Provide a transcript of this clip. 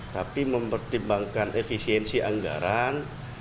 tapi mempertimbangkan efisiensi anggaran